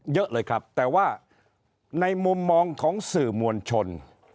เยอะเลยครับแต่ว่าในมุมมองของสื่อมวลชน